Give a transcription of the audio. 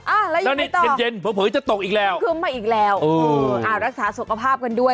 อ้าวแล้วยังไงต่อคือมาอีกแล้วอืมอ่ารักษาสุขภาพกันด้วย